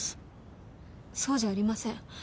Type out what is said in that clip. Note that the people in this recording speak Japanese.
そうじゃありません。